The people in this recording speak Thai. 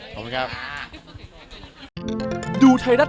ขอบคุณครับ